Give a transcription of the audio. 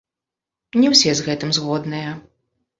Не ўсе з гэтым згодныя.